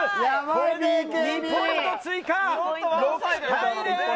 これで２ポイント追加、６対０！